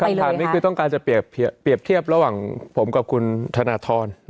คำถามนี้คือจะเปรียบเทียบระหว่างผมวันกับคุณธนทร